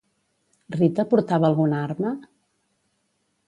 Rita portava alguna arma?